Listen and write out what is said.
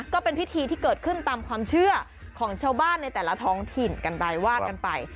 ก็เป็นพิธีที่เกิดขึ้นตามความเชื่อของชาวบ้านในแต่ละท้องถิ่นกันไปว่ากันไป